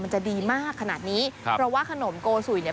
จะดีมากขนาดนี้ครับเพราะว่าขนมโกสุยเนี่ย